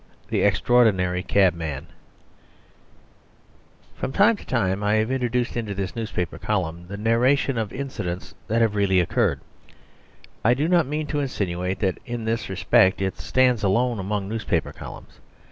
The Extraordinary Cabman From time to time I have introduced into this newspaper column the narration of incidents that have really occurred. I do not mean to insinuate that in this respect it stands alone among newspaper columns.